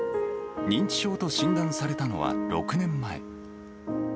認知症と診断されたのは６年前。